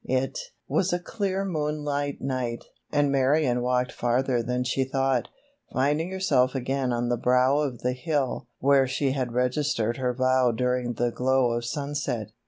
It was a clear moonlight night, and Marion walked farther than she thought, finding herself again on the brow of the hill where she had registered her vow during the glow of sunset.